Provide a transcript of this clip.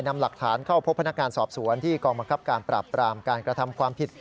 นำหลักฐานเข้าพบพนักงานสอบสวนที่กองบังคับการปราบปรามการกระทำความผิด